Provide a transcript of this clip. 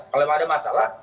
kalau ada masalah